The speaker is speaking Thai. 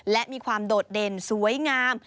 และมีความโดดเด่นสวยงาม